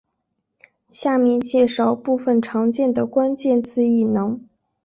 下面介绍部分常见的关键字异能。